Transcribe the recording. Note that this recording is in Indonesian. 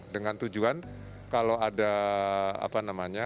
dengan tujuan kalau ada apa namanya